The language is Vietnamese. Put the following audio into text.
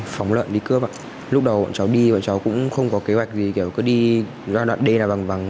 phóng lợn đi cướp ạ lúc đầu bọn cháu đi bọn cháu cũng không có kế hoạch gì kiểu cứ đi ra đoạn đê là bằng vắng